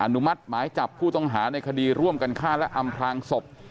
นุมัติหมายจับผู้ต้องหาในคดีร่วมกันฆ่าและอำพลางศพ